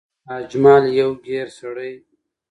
اجمل يو ګېر سړی